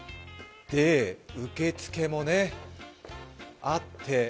受け付けもね、あって。